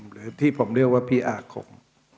หรือที่ผมเรียกว่าพี่อาคม